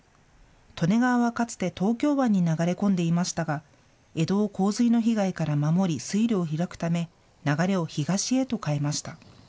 利根川はかつて東京湾に流れ込んでいましたが江戸を洪水の被害から守り水路を開くため流れを東へと変えました。